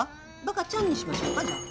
バカちゃんにしましょうか。